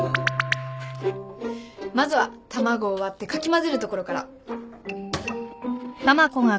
まずは卵を割ってかき混ぜるところから。